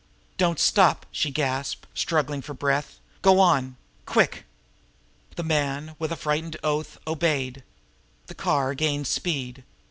"Don't stop!" she gasped, struggling for her breath. "Go on! Quick!" The man, with a frightened oath, obeyed. The car gained speed.